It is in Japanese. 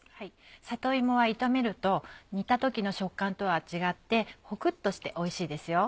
里芋は炒めると煮た時の食感とは違ってホクっとしておいしいですよ。